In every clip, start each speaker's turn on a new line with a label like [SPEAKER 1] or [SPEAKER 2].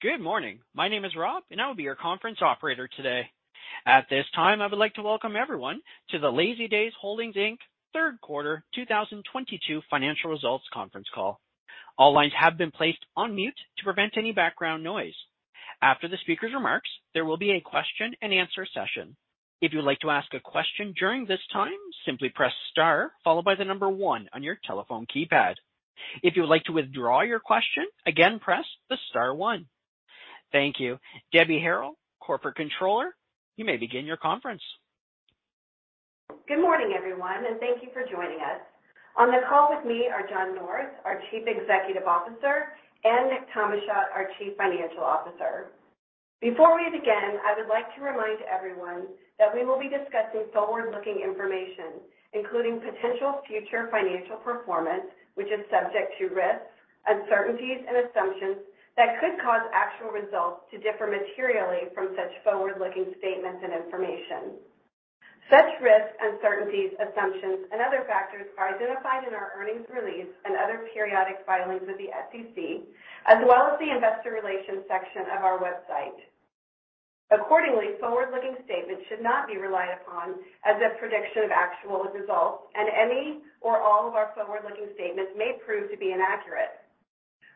[SPEAKER 1] Good morning. My name is Rob, and I will be your conference operator today. At this time, I would like to welcome everyone to the Lazydays Holdings, Inc., Third Quarter 2022 Financial Results Conference Call. All lines have been placed on mute to prevent any background noise. After the speaker's remarks, there will be a question-and-answer session. If you would like to ask a question during this time, simply press star followed by the number one on your telephone keypad. If you would like to withdraw your question, again, press the star one. Thank you. Debbie Harrell, Corporate Controller, you may begin your conference.
[SPEAKER 2] Good morning, everyone, and thank you for joining us. On the call with me are John North, our Chief Executive Officer, and Nicholas Tomashot, our Chief Financial Officer. Before we begin, I would like to remind everyone that we will be discussing forward-looking information, including potential future financial performance, which is subject to risks, uncertainties, and assumptions that could cause actual results to differ materially from such forward-looking statements and information. Such risks, uncertainties, assumptions, and other factors are identified in our earnings release and other periodic filings with the SEC, as well as the investor relations section of our website. Accordingly, forward-looking statements should not be relied upon as a prediction of actual results, and any or all of our forward-looking statements may prove to be inaccurate.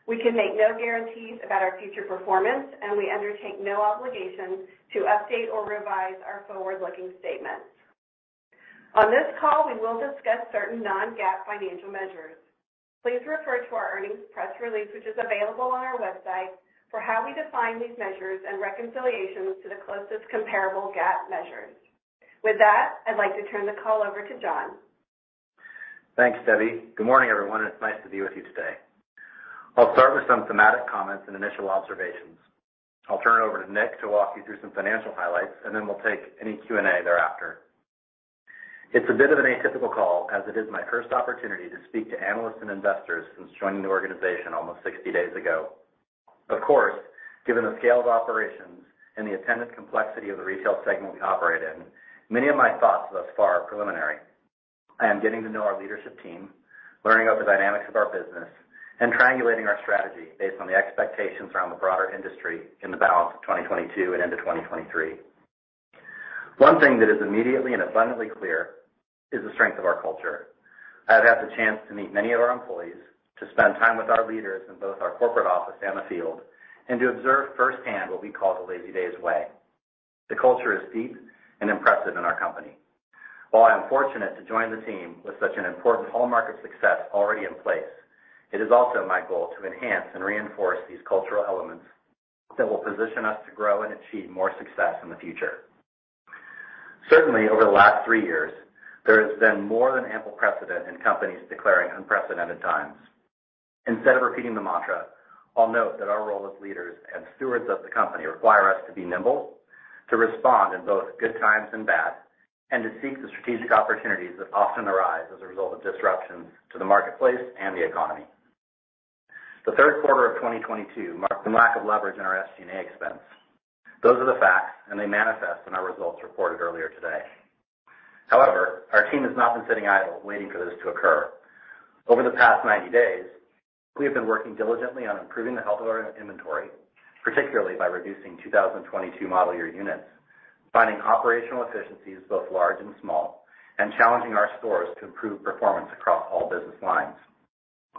[SPEAKER 2] We can make no guarantees about our future performance, and we undertake no obligation to update or revise our forward-looking statements. On this call, we will discuss certain non-GAAP financial measures. Please refer to our earnings press release, which is available on our website for how we define these measures and reconciliations to the closest comparable GAAP measures. With that, I'd like to turn the call over to John.
[SPEAKER 3] Thanks, Debbie. Good morning, everyone. It's nice to be with you today. I'll start with some thematic comments and initial observations. I'll turn it over to Nick to walk you through some financial highlights, and then we'll take any Q&A thereafter. It's a bit of an atypical call as it is my first opportunity to speak to analysts and investors since joining the organization almost 60 days ago. Of course, given the scale of operations and the attendant complexity of the retail segment we operate in, many of my thoughts thus far are preliminary. I am getting to know our leadership team, learning about the dynamics of our business, and triangulating our strategy based on the expectations around the broader industry in the balance of 2022 and into 2023. One thing that is immediately and abundantly clear is the strength of our culture. I have had the chance to meet many of our employees, to spend time with our leaders in both our corporate office and the field, and to observe firsthand what we call the Lazydays Way. The culture is deep and impressive in our company. While I am fortunate to join the team with such an important hallmark of success already in place, it is also my goal to enhance and reinforce these cultural elements that will position us to grow and achieve more success in the future. Certainly, over the last three years, there has been more than ample precedent in companies declaring unprecedented times. Instead of repeating the mantra, I'll note that our role as leaders and stewards of the company require us to be nimble, to respond in both good times and bad, and to seek the strategic opportunities that often arise as a result of disruptions to the marketplace and the economy. The third quarter of 2022 marked the lack of leverage in our SG&A expense. Those are the facts, and they manifest in our results reported earlier today. However, our team has not been sitting idle waiting for this to occur. Over the past 90 days, we have been working diligently on improving the health of our inventory, particularly by reducing 2022 model year units, finding operational efficiencies both large and small, and challenging our stores to improve performance across all business lines.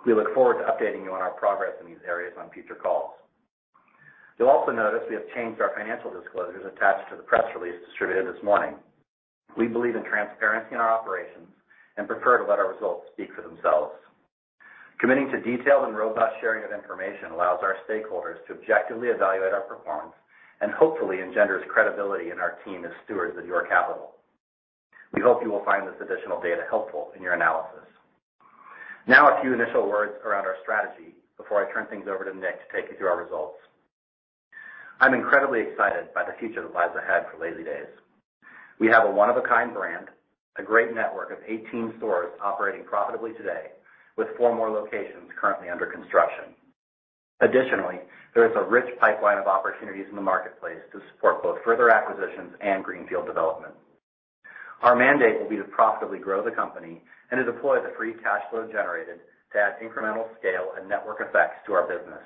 [SPEAKER 3] We look forward to updating you on our progress in these areas on future calls. You'll also notice we have changed our financial disclosures attached to the press release distributed this morning. We believe in transparency in our operations and prefer to let our results speak for themselves. Committing to detailed and robust sharing of information allows our stakeholders to objectively evaluate our performance and hopefully engenders credibility in our team as stewards of your capital. We hope you will find this additional data helpful in your analysis. Now a few initial words around our strategy before I turn things over to Nick to take you through our results. I'm incredibly excited by the future that lies ahead for Lazydays. We have a one-of-a-kind brand, a great network of 18 stores operating profitably today, with four more locations currently under construction. Additionally, there is a rich pipeline of opportunities in the marketplace to support both further acquisitions and greenfield development. Our mandate will be to profitably grow the company and to deploy the free cash flow generated to add incremental scale and network effects to our business.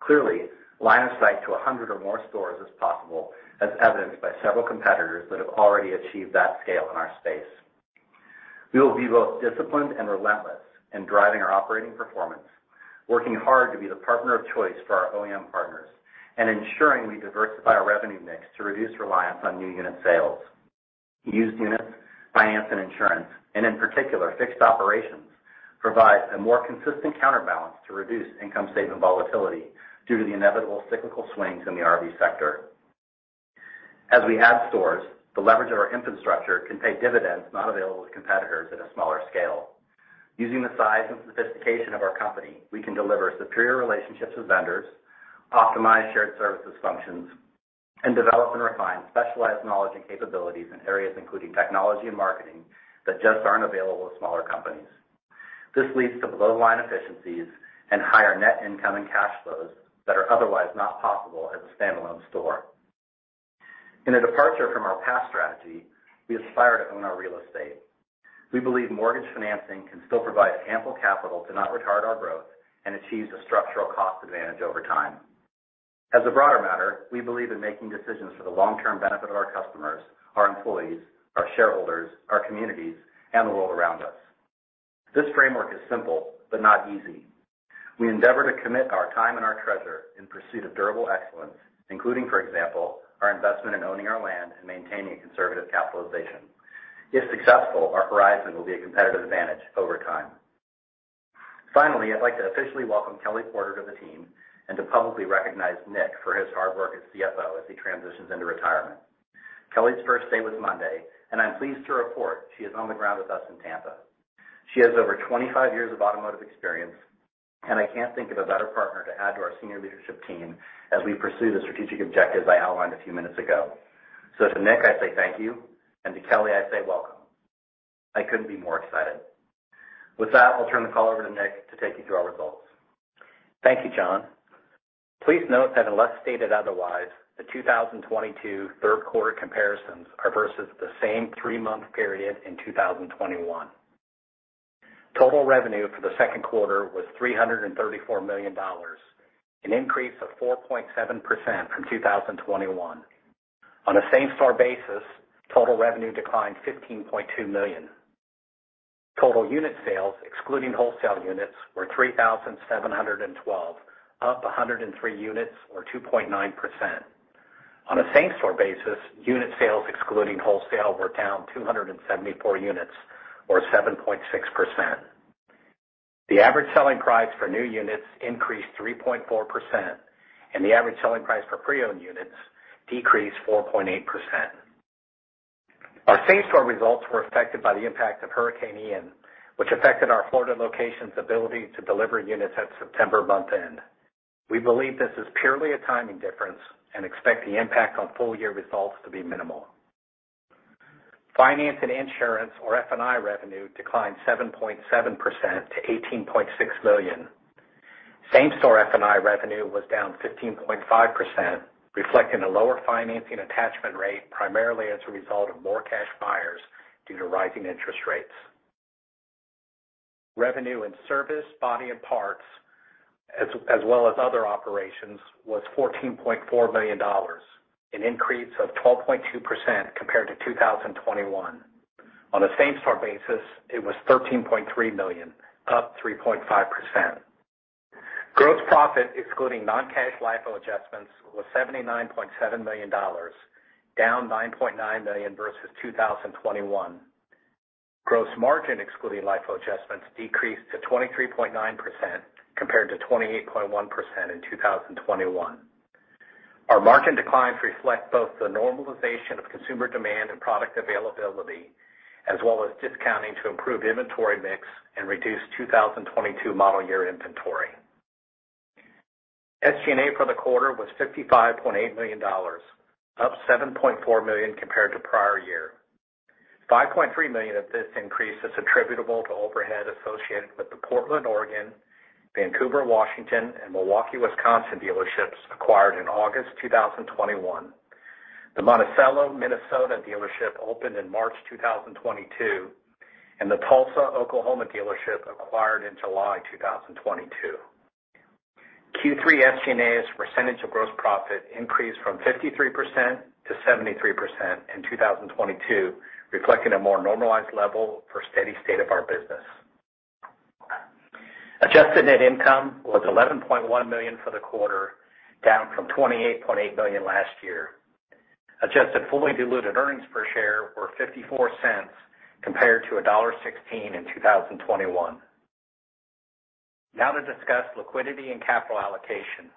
[SPEAKER 3] Clearly, line of sight to 100 or more stores is possible, as evidenced by several competitors that have already achieved that scale in our space. We will be both disciplined and relentless in driving our operating performance, working hard to be the partner of choice for our OEM partners, and ensuring we diversify our revenue mix to reduce reliance on new unit sales. Used units, finance and insurance, and in particular, fixed operations, provide a more consistent counterbalance to reduce income statement volatility due to the inevitable cyclical swings in the RV sector. As we add stores, the leverage of our infrastructure can pay dividends not available to competitors at a smaller scale. Using the size and sophistication of our company, we can deliver superior relationships with vendors, optimize shared services functions, and develop and refine specialized knowledge and capabilities in areas including technology and marketing that just aren't available to smaller companies. This leads to bottom-line efficiencies and higher net income and cash flows that are otherwise not possible at a standalone store. In a departure from our past strategy, we aspire to own our real estate. We believe mortgage financing can still provide ample capital to not retard our growth and achieves a structural cost advantage over time. As a broader matter, we believe in making decisions for the long-term benefit of our customers, our employees, our shareholders, our communities, and the world around us. This framework is simple but not easy. We endeavor to commit our time and our treasure in pursuit of durable excellence, including, for example, our investment in owning our land and maintaining a conservative capitalization. If successful, our horizon will be a competitive advantage over time. Finally, I'd like to officially welcome Kelly Porter to the team and to publicly recognize Nick for his hard work as CFO as he transitions into retirement. Kelly's first day was Monday, and I'm pleased to report she is on the ground with us in Tampa. She has over 25 years of automotive experience, and I can't think of a better partner to add to our senior leadership team as we pursue the strategic objectives I outlined a few minutes ago. To Nick, I say thank you, and to Kelly, I say welcome. I couldn't be more excited. With that, I'll turn the call over to Nick to take you through our results.
[SPEAKER 4] Thank you, John. Please note that unless stated otherwise, the 2022 third quarter comparisons are versus the same three-month period in 2021. Total revenue for the second quarter was $334 million, an increase of 4.7% from 2021. On a same-store basis, total revenue declined $15.2 million. Total unit sales, excluding wholesale units, were 3,712, up 103 units or 2.9%. On a same-store basis, unit sales, excluding wholesale, were down 274 units or 7.6%. The average selling price for new units increased 3.4%, and the average selling price for pre-owned units decreased 4.8%. Our same-store results were affected by the impact of Hurricane Ian, which affected our Florida location's ability to deliver units at September month end. We believe this is purely a timing difference and expect the impact on full-year results to be minimal. Finance and insurance or F&I revenue declined 7.7% to $18.6 million. Same-store F&I revenue was down 15.5%, reflecting a lower financing attachment rate, primarily as a result of more cash buyers due to rising interest rates. Revenue and service, body and parts, as well as other operations, was $14.4 million, an increase of 12.2% compared to 2021. On a same-store basis, it was $13.3 million, up 3.5%. Gross profit, excluding non-cash LIFO adjustments, was $79.7 million, down $9.9 million versus 2021. Gross margin excluding LIFO adjustments decreased to 23.9% compared to 28.1% in 2021. Our margin declines reflect both the normalization of consumer demand and product availability, as well as discounting to improve inventory mix and reduce 2022 model year inventory. SG&A for the quarter was $55.8 million, up $7.4 million compared to prior year. $5.3 million of this increase is attributable to overhead associated with the Portland, Oregon, Vancouver, Washington, and Milwaukee, Wisconsin dealerships acquired in August 2021. The Monticello, Minnesota dealership opened in March 2022, and the Tulsa, Oklahoma dealership acquired in July 2022. Q3 SG&A's percentage of gross profit increased from 53%-73% in 2022, reflecting a more normalized level for steady state of our business. Adjusted net income was $11.1 million for the quarter, down from $28.8 million last year. Adjusted fully diluted earnings per share were $0.54 compared to $1.16 in 2021. Now to discuss liquidity and capital allocation.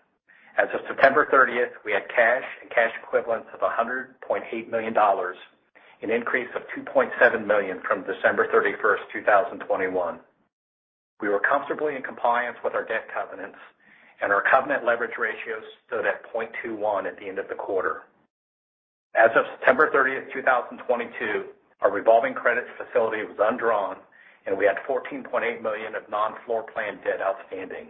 [SPEAKER 4] As of September 30th, we had cash and cash equivalents of $100.8 million, an increase of $2.7 million from December 31st, 2021. We were comfortably in compliance with our debt covenants, and our covenant leverage ratios stood at 0.21 at the end of the quarter. As of September 30th, 2022, our revolving credit facility was undrawn, and we had $14.8 million of non-floor plan debt outstanding.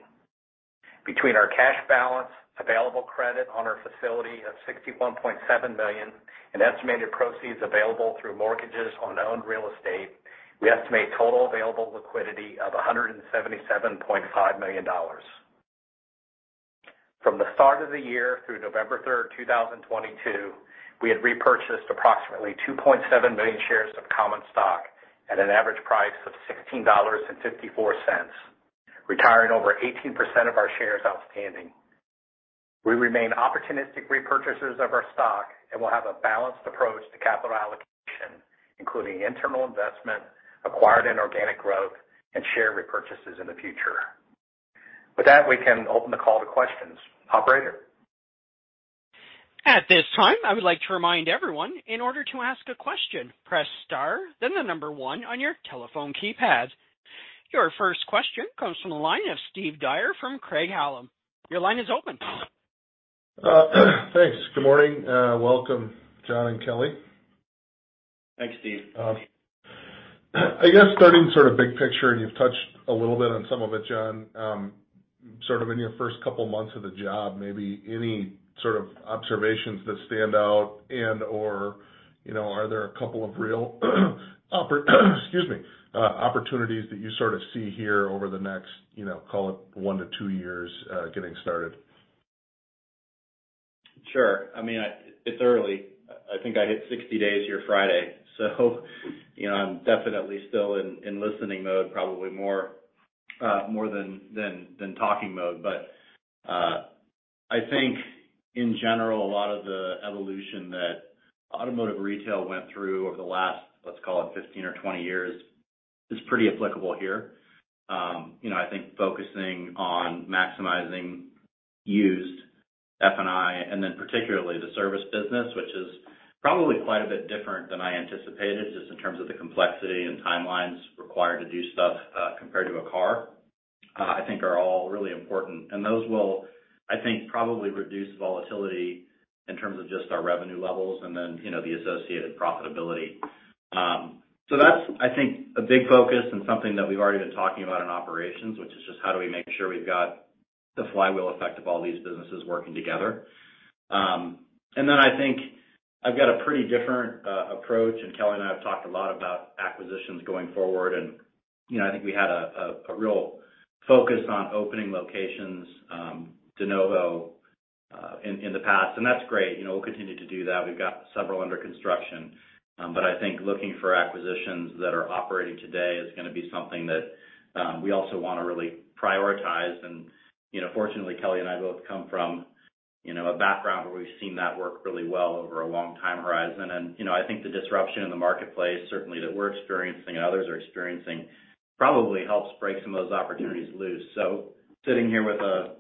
[SPEAKER 4] Between our cash balance, available credit on our facility of $61.7 million, and estimated proceeds available through mortgages on owned real estate, we estimate total available liquidity of $177.5 million. From the start of the year through November 3rd, 2022, we had repurchased approximately 2.7 million shares of common stock at an average price of $16.54, retiring over 18% of our shares outstanding. We remain opportunistic repurchasers of our stock and will have a balanced approach to capital allocation, including internal investment, acquired and organic growth, and share repurchases in the future. With that, we can open the call to questions. Operator?
[SPEAKER 1] At this time, I would like to remind everyone in order to ask a question, press star then the number one on your telephone keypad. Your first question comes from the line of Steve Dyer from Craig-Hallum. Your line is open.
[SPEAKER 5] Thanks. Good morning. Welcome John and Kelly.
[SPEAKER 3] Thanks, Steve.
[SPEAKER 5] I guess starting sort of big picture, and you've touched a little bit on some of it, John. Sort of in your first couple months of the job, maybe any sort of observations that stand out and/or, you know, are there a couple of real opportunities that you sort of see here over the next, you know, call it one-two years, getting started?
[SPEAKER 3] Sure. I mean, it's early. I think I hit 60 days here Friday, so you know, I'm definitely still in listening mode probably more than talking mode. I think in general, a lot of the evolution that automotive retail went through over the last, let's call it 15 or 20 years, is pretty applicable here. You know, I think focusing on maximizing used F&I and then particularly the service business, which is probably quite a bit different than I anticipated just in terms of the complexity and timelines required to do stuff, compared to a car, I think are all really important. Those will, I think, probably reduce volatility in terms of just our revenue levels and then, you know, the associated profitability. That's, I think, a big focus and something that we've already been talking about in operations, which is just how do we make sure we've got the flywheel effect of all these businesses working together. I think I've got a pretty different approach, and Kelly and I have talked a lot about acquisitions going forward. You know, I think we had a real focus on opening locations de novo in the past, and that's great. You know, we'll continue to do that. We've got several under construction. I think looking for acquisitions that are operating today is gonna be something that we also wanna really prioritize. You know, fortunately, Kelly and I both come from a background where we've seen that work really well over a long time horizon. You know, I think the disruption in the marketplace, certainly that we're experiencing and others are experiencing, probably helps break some of those opportunities loose. Sitting here with a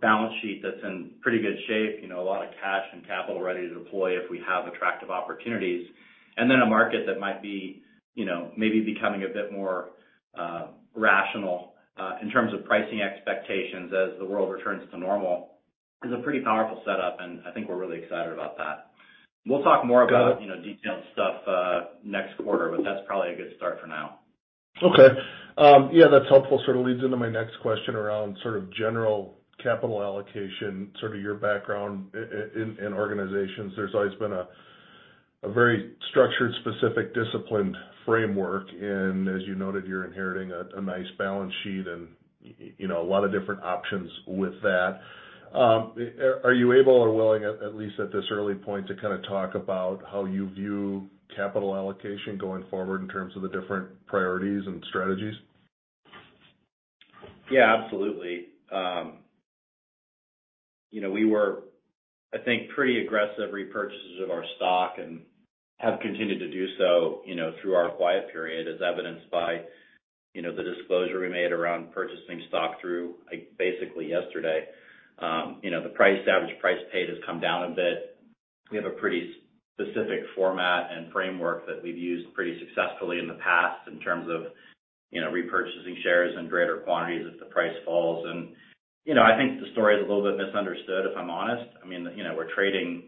[SPEAKER 3] balance sheet that's in pretty good shape, you know, a lot of cash and capital ready to deploy if we have attractive opportunities, and then a market that might be, you know, maybe becoming a bit more, rational, in terms of pricing expectations as the world returns to normal, is a pretty powerful setup, and I think we're really excited about that. We'll talk more about.
[SPEAKER 5] Got it.
[SPEAKER 3] you know, detailed stuff, next quarter, but that's probably a good start for now.
[SPEAKER 5] Okay. Yeah, that's helpful. Sort of leads into my next question around sort of general capital allocation, sort of your background in organizations. There's always been a very structured, specific, disciplined framework. As you noted, you're inheriting a nice balance sheet and you know, a lot of different options with that. Are you able or willing at least at this early point, to kind of talk about how you view capital allocation going forward in terms of the different priorities and strategies?
[SPEAKER 3] Yeah, absolutely. You know, we were, I think, pretty aggressive repurchases of our stock and have continued to do so, you know, through our quiet period, as evidenced by, you know, the disclosure we made around purchasing stock through, like, basically yesterday. You know, the price, average price paid has come down a bit. We have a pretty specific format and framework that we've used pretty successfully in the past in terms of, you know, repurchasing shares in greater quantities if the price falls. You know, I think the story is a little bit misunderstood, if I'm honest. I mean, you know, we're trading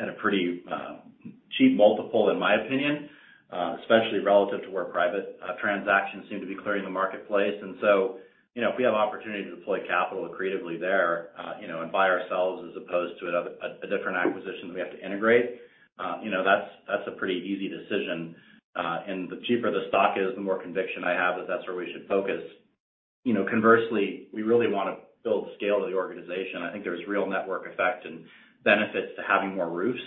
[SPEAKER 3] at a pretty cheap multiple, in my opinion, especially relative to where private transactions seem to be clearing the marketplace. You know, if we have opportunity to deploy capital creatively there, you know, and buy ourselves as opposed to a different acquisition that we have to integrate, you know, that's a pretty easy decision. The cheaper the stock is, the more conviction I have that that's where we should focus. You know, conversely, we really wanna build scale to the organization. I think there's real network effect and benefits to having more roofs.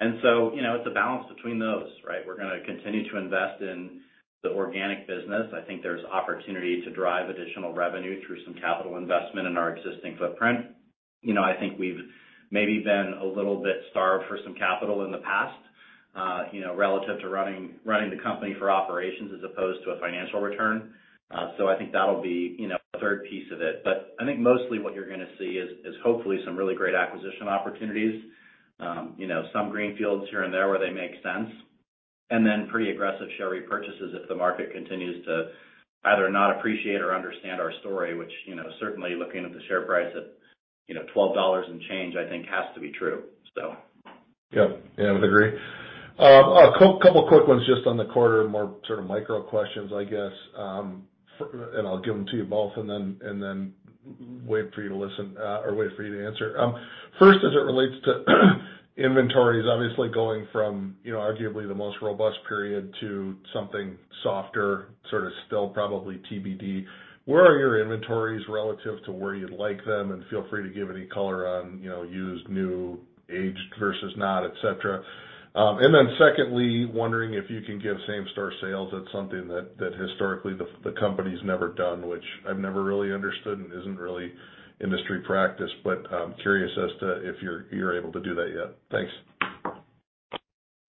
[SPEAKER 3] You know, it's a balance between those, right? We're gonna continue to invest in the organic business. I think there's opportunity to drive additional revenue through some capital investment in our existing footprint. You know, I think we've maybe been a little bit starved for some capital in the past, you know, relative to running the company for operations as opposed to a financial return. I think that'll be, you know, a third piece of it. I think mostly what you're gonna see is hopefully some really great acquisition opportunities. You know, some greenfields here and there where they make sense, and then pretty aggressive share repurchases if the market continues to either not appreciate or understand our story, which, you know, certainly looking at the share price at you know, $12 and change, I think has to be true.
[SPEAKER 5] Yeah. Yeah, I would agree. A couple quick ones just on the quarter, more sort of micro questions, I guess. I'll give them to you both and then wait for you to listen or wait for you to answer. First, as it relates to inventories, obviously going from, you know, arguably the most robust period to something softer, sort of still probably TBD, where are your inventories relative to where you'd like them? Feel free to give any color on, you know, used, new, aged versus not, et cetera. Secondly, wondering if you can give same-store sales. That's something that historically the company's never done, which I've never really understood and isn't really industry practice, but I'm curious as to if you're able to do that yet. Thanks.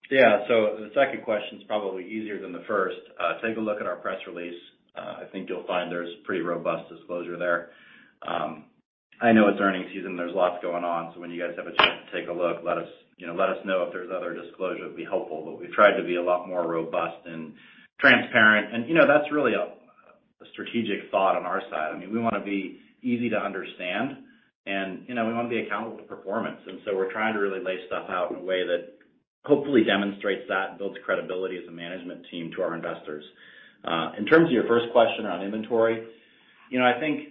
[SPEAKER 3] Yeah. The second question is probably easier than the first. Take a look at our press release. I think you'll find there's pretty robust disclosure there. I know it's earnings season, there's lots going on, so when you guys have a chance to take a look, let us, you know, let us know if there's other disclosure, it'd be helpful. We've tried to be a lot more robust, transparent. You know, that's really a strategic thought on our side. I mean, we wanna be easy to understand and, you know, we wanna be accountable to performance. We're trying to really lay stuff out in a way that hopefully demonstrates that and builds credibility as a management team to our investors. In terms of your first question on inventory, you know, I think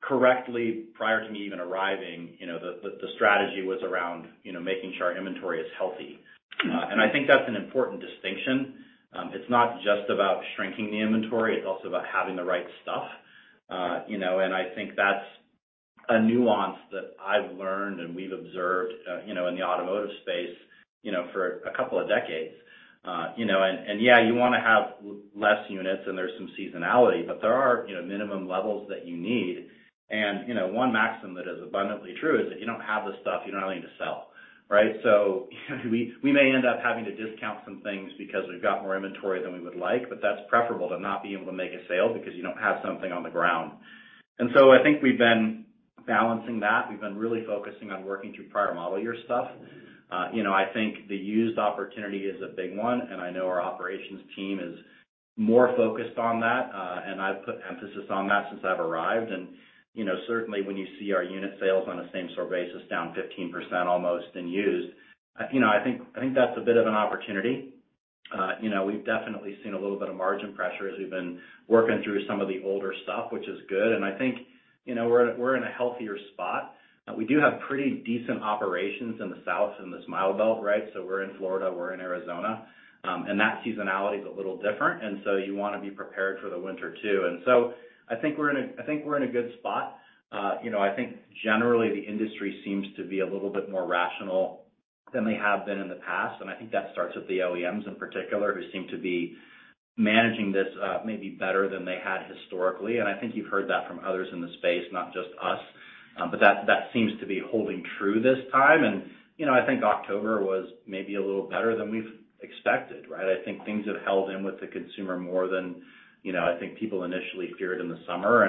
[SPEAKER 3] correctly prior to me even arriving, you know, the strategy was around, you know, making sure our inventory is healthy. I think that's an important distinction. It's not just about shrinking the inventory, it's also about having the right stuff. You know, and I think that's a nuance that I've learned and we've observed, you know, in the automotive space, you know, for a couple of decades. You know, and yeah, you want to have less units and there's some seasonality, but there are, you know, minimum levels that you need. One maxim that is abundantly true is if you don't have the stuff you don't have anything to sell, right? We may end up having to discount some things because we've got more inventory than we would like, but that's preferable to not be able to make a sale because you don't have something on the ground. I think we've been balancing that. We've been really focusing on working through prior model year stuff. You know, I think the used opportunity is a big one, and I know our operations team is more focused on that. I've put emphasis on that since I've arrived. You know, certainly when you see our unit sales on a same-store basis down 15% almost in used, you know, I think that's a bit of an opportunity. You know, we've definitely seen a little bit of margin pressure as we've been working through some of the older stuff, which is good. I think, you know, we're in a healthier spot. We do have pretty decent operations in the South, in the Sun Belt, right? So we're in Florida, we're in Arizona. That seasonality is a little different, and so you wanna be prepared for the winter too. I think we're in a good spot. You know, I think generally the industry seems to be a little bit more rational than they have been in the past, and I think that starts with the OEMs in particular, who seem to be managing this, maybe better than they had historically. I think you've heard that from others in the space, not just us. That seems to be holding true this time. You know, I think October was maybe a little better than we've expected, right? I think things have held in with the consumer more than, you know, I think people initially feared in the summer.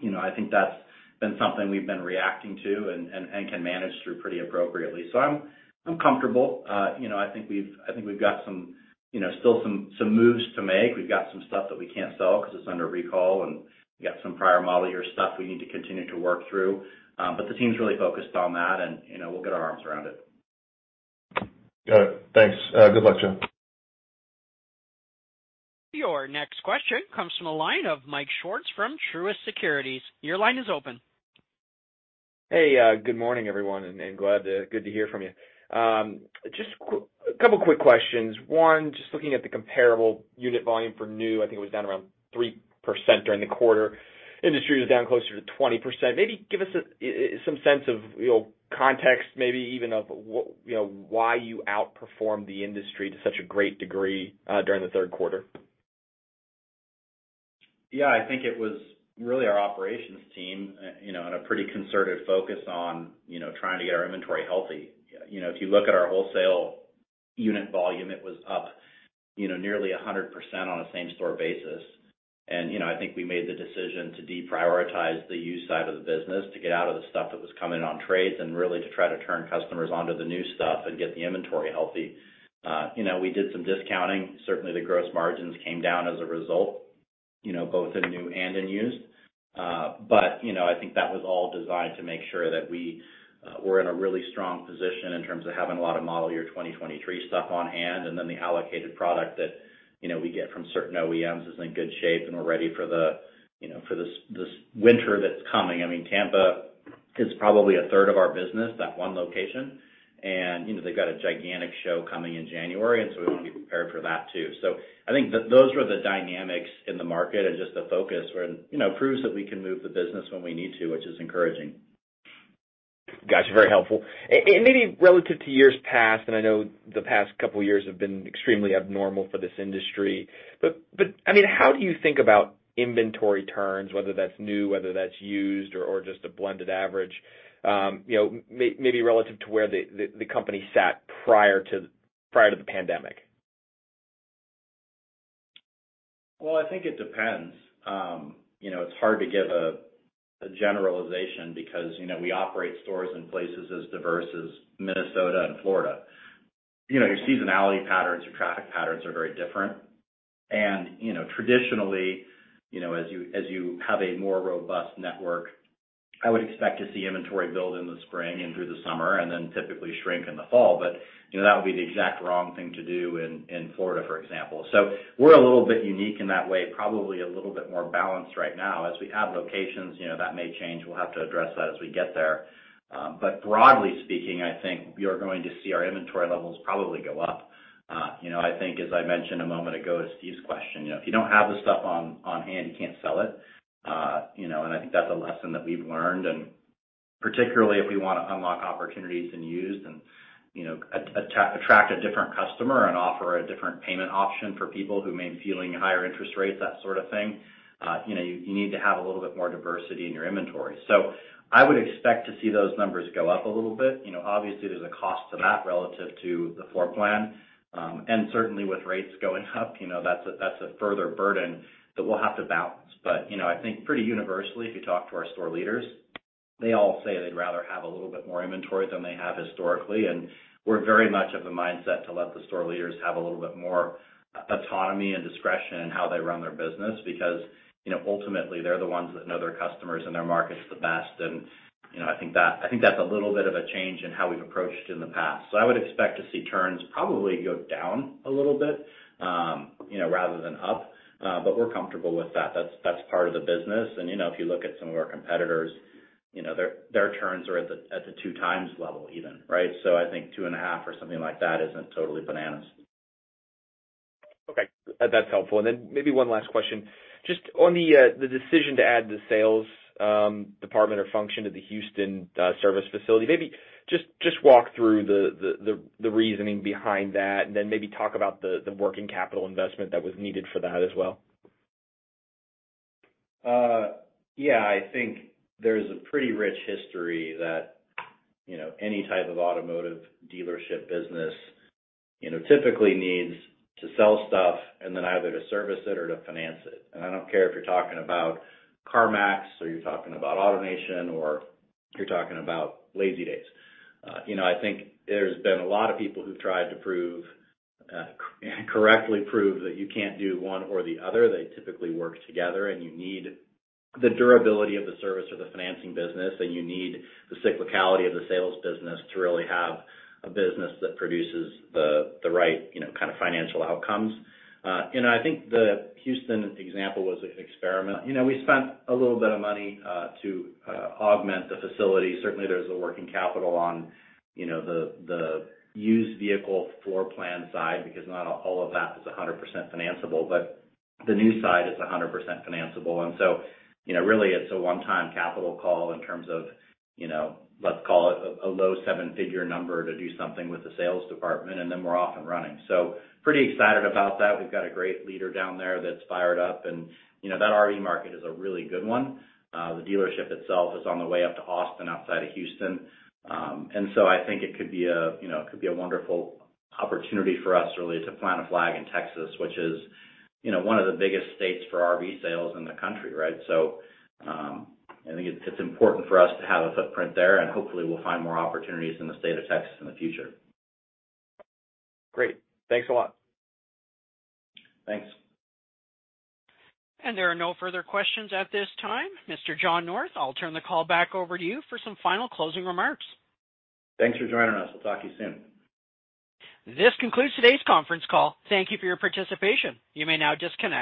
[SPEAKER 3] You know, I think that's been something we've been reacting to and can manage through pretty appropriately. I'm comfortable. You know, I think we've got some, you know, still some moves to make. We've got some stuff that we can't sell 'cause it's under recall, and we've got some prior model year stuff we need to continue to work through. The team's really focused on that and, you know, we'll get our arms around it.
[SPEAKER 5] Got it. Thanks. Good luck, John.
[SPEAKER 1] Your next question comes from the line of Michael Swartz from Truist Securities. Your line is open.
[SPEAKER 6] Hey, good morning, everyone, good to hear from you. Just a couple of quick questions. One, just looking at the comparable unit volume for new, I think it was down around 3% during the quarter. Industry was down closer to 20%. Maybe give us some sense of, you know, context, maybe even of, you know, why you outperformed the industry to such a great degree during the third quarter?
[SPEAKER 3] Yeah. I think it was really our operations team, you know, and a pretty concerted focus on, you know, trying to get our inventory healthy. You know, if you look at our wholesale unit volume, it was up, you know, nearly 100% on a same store basis. You know, I think we made the decision to deprioritize the used side of the business to get out of the stuff that was coming on trades and really to try to turn customers onto the new stuff and get the inventory healthy. You know, we did some discounting. Certainly, the gross margins came down as a result, you know, both in new and in used. You know, I think that was all designed to make sure that we were in a really strong position in terms of having a lot of model year 2023 stuff on hand, and then the allocated product that, you know, we get from certain OEMs is in good shape, and we're ready for the, you know, for this winter that's coming. I mean, Tampa is probably a third of our business, that one location. You know, they've got a gigantic show coming in January, and so we want to be prepared for that too. I think those were the dynamics in the market and just the focus where, you know, proves that we can move the business when we need to, which is encouraging.
[SPEAKER 6] Got you. Very helpful. Maybe relative to years past, and I know the past couple of years have been extremely abnormal for this industry, but I mean, how do you think about inventory turns, whether that's new, whether that's used or just a blended average, you know, maybe relative to where the company sat prior to the pandemic?
[SPEAKER 3] Well, I think it depends. You know, it's hard to give a generalization because, you know, we operate stores in places as diverse as Minnesota and Florida. You know, your seasonality patterns, your traffic patterns are very different. You know, traditionally, you know, as you have a more robust network, I would expect to see inventory build in the spring and through the summer and then typically shrink in the fall. You know, that would be the exact wrong thing to do in Florida, for example. We're a little bit unique in that way, probably a little bit more balanced right now. As we add locations, you know, that may change. We'll have to address that as we get there. Broadly speaking, I think you're going to see our inventory levels probably go up. You know, I think as I mentioned a moment ago to Steve's question, you know, if you don't have the stuff on hand, you can't sell it. You know, I think that's a lesson that we've learned, and particularly if we wanna unlock opportunities in used and, you know, attract a different customer and offer a different payment option for people who may be feeling higher interest rates, that sort of thing, you know, you need to have a little bit more diversity in your inventory. I would expect to see those numbers go up a little bit. You know, obviously there's a cost to that relative to the floor plan. Certainly with rates going up, you know, that's a further burden that we'll have to balance. You know, I think pretty universally, if you talk to our store leaders. They all say they'd rather have a little bit more inventory than they have historically, and we're very much of a mindset to let the store leaders have a little bit more autonomy and discretion in how they run their business because, you know, ultimately, they're the ones that know their customers and their markets the best. You know, I think that's a little bit of a change in how we've approached in the past. I would expect to see turns probably go down a little bit, you know, rather than up. We're comfortable with that. That's part of the business. You know, if you look at some of our competitors, you know, their turns are at the 2x level even, right? I think 2.5x or something like that isn't totally bananas.
[SPEAKER 6] Okay. That's helpful. Then maybe one last question. Just on the decision to add the sales department or function to the Houston service facility, maybe just walk through the reasoning behind that, and then maybe talk about the working capital investment that was needed for that as well.
[SPEAKER 3] Yeah, I think there's a pretty rich history that, you know, any type of automotive dealership business, you know, typically needs to sell stuff and then either to service it or to finance it. I don't care if you're talking about CarMax or you're talking about AutoNation or you're talking about Lazydays. You know, I think there's been a lot of people who've tried to prove correctly that you can't do one or the other. They typically work together, and you need the durability of the service or the financing business, and you need the cyclicality of the sales business to really have a business that produces the right, you know, kind of financial outcomes. I think the Houston example was an experiment. You know, we spent a little bit of money to augment the facility. Certainly, there's working capital on, you know, the used vehicle floor plan side because not all of that is 100% financeable, but the new side is 100% financeable. You know, really it's a one-time capital call in terms of, you know, let's call it a low seven-figure number to do something with the sales department, and then we're off and running. Pretty excited about that. We've got a great leader down there that's fired up and, you know, that RV market is a really good one. The dealership itself is on the way up to Austin outside of Houston. I think it could be a wonderful opportunity for us really to plant a flag in Texas, which is, you know, one of the biggest states for RV sales in the country, right? I think it's important for us to have a footprint there, and hopefully we'll find more opportunities in the state of Texas in the future.
[SPEAKER 6] Great. Thanks a lot.
[SPEAKER 3] Thanks.
[SPEAKER 1] There are no further questions at this time. Mr. John North, I'll turn the call back over to you for some final closing remarks.
[SPEAKER 3] Thanks for joining us. I'll talk to you soon.
[SPEAKER 1] This concludes today's conference call. Thank you for your participation. You may now disconnect.